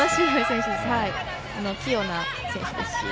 器用な選手ですし。